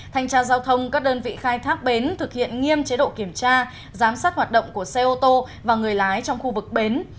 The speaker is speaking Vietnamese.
thanh tra giao thông các đơn vị khai thác bến thực hiện nghiêm chế độ kiểm tra giám sát hoạt động của xe ô tô và người lái trong khu vực bến